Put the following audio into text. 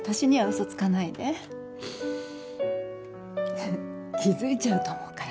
ははっ気付いちゃうと思うから。